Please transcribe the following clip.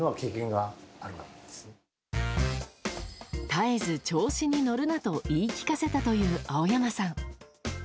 絶えず調子に乗るなと言い聞かせたという青山さん。